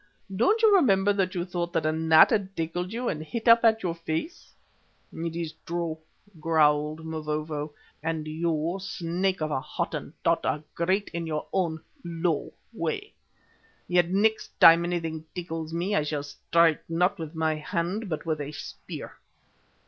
Don't you remember that you thought a gnat had tickled you and hit up at your face?" "It is true," growled Mavovo, "and you, snake of a Hottentot, are great in your own low way. Yet next time anything tickles me, I shall strike, not with my hand, but with a spear."